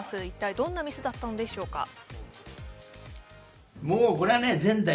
一体どんなミスだったのでしょうか？